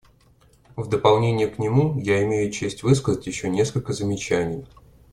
В дополнение к нему я имею честь высказать еще несколько замечаний.